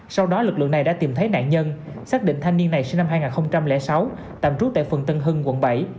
sau đó lực lượng này đã tìm thấy nạn nhân xác định thanh niên này sinh năm hai nghìn sáu tạm trú tại phường tân hưng quận bảy